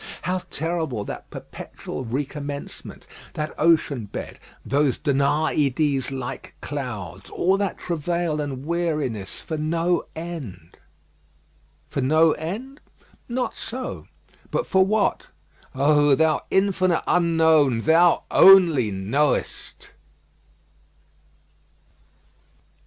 How terrible that perpetual recommencement, that ocean bed, those Danaïdes like clouds, all that travail and weariness for no end! For no end? Not so! But for what? O Thou Infinite Unknown, Thou only knowest!